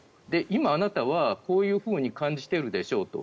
今、あなたはこういうふうに感じているでしょうと。